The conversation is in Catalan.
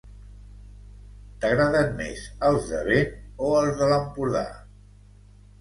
T'agraden més els de vent o els de l'Empordà?